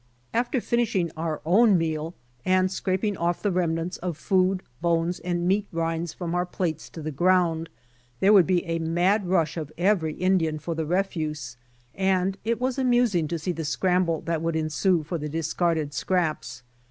After finishing our own meal and scraping off the remnants of food, bones, and meat rinds from our plates to the ground, there would be a mad rush of every Indian for the refuse, and it was 32 INDIANS 33 amusing to see the scramble that ^vouUl ensue for the discarded scraps.